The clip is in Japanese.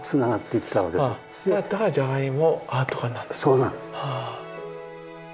そうなんです。